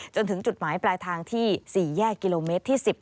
จนถึงจุดหมายปลายทางที่๔แยกกิโลเมตรที่๑๐